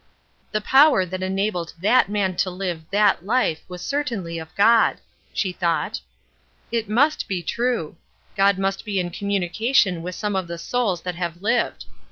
"The power that enabled that man to live that life was certainly of God," she thought. "It must be true. God must be in communication with some of the souls that have lived.